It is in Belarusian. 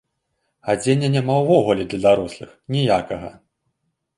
Адзення няма ўвогуле для дарослых, ніякага.